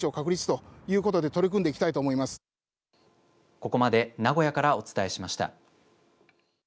ここまで名古屋からお伝えしました。